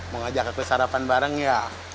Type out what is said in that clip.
mau ngajak aku sarapan bareng ya